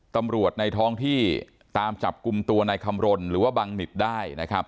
ตำรวจในท้องที่ตามจับกุมตัวในคำรนหรือว่าบังมิตรได้นะครับ